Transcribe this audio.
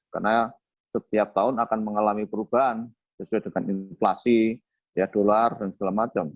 karena setiap tahun akan mengalami perubahan sesuai dengan inflasi dolar dan sebagainya